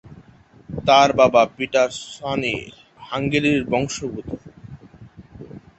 তার বাবা "Peter Szonyi" হাঙ্গেরীয় বংশোদ্ভূত।